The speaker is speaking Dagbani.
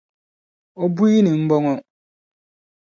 o buyi ni n-bɔ ŋɔ.